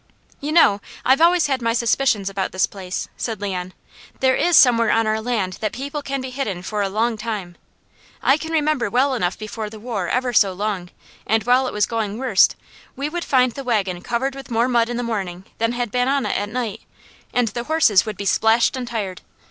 "You know I've always had my suspicions about this place," said Leon. "There is somewhere on our land that people can be hidden for a long time. I can remember well enough before the war ever so long, and while it was going worst, we would find the wagon covered with more mud in the morning than had been on it at night; and the horses would be splashed and tired.